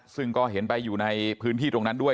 ซึ่งก็เห็นไปอยู่ในพื้นที่ตรงนั้นด้วย